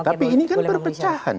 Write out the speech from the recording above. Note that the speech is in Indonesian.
tapi ini kan perpecahan